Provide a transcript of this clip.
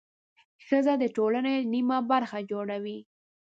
ښځه د ټولنې نیمه برخه جوړوي.